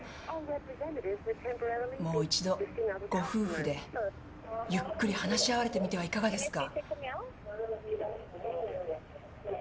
もう一度ご夫婦でゆっくり話し合われてみてはいかがですか？